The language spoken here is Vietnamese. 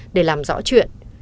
để làm rõ chuyện